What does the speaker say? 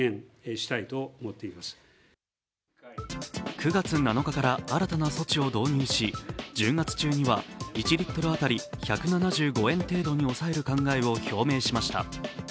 ９月７日から新たな措置を導入し、１０月中には１リットル当たり１７５円程度に抑える考えを表明しました。